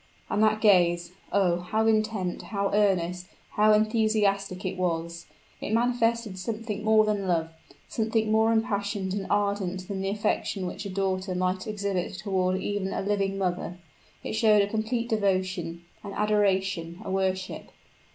And that gaze oh! how intent, how earnest, how enthusiastic it was! It manifested something more than love something more impassioned and ardent than the affection which a daughter might exhibit toward even a living mother; it showed a complete devotion an adoration a worship!